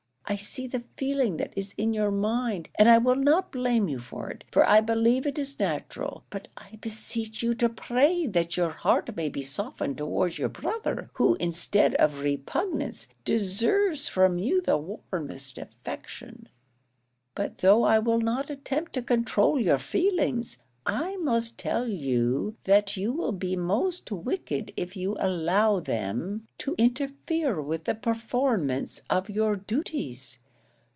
I see the feeling that is in your mind, and I will not blame you for it, for I believe it is natural; but I beseech you to pray that your heart may be softened towards your brother, who instead of repugnance, deserves from you the warmest affection. But though I will not attempt to control your feelings, I must tell you that you will be most wicked if you allow them to interfere with the performance of your duties.